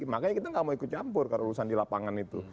makanya kita nggak mau ikut campur kalau urusan di lapangan itu